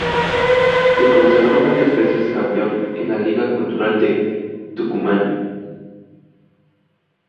Se consagró varias veces campeón en la Liga Cultural de Tucumán.